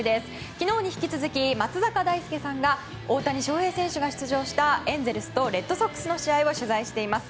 昨日に引き続き松坂大輔さんが大谷翔平選手が出場したエンゼルスとレッドソックスの試合を取材しています。